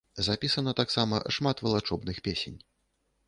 Запісана таксама шмат валачобных песень.